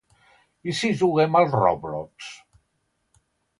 I si juguem al "Roblox"?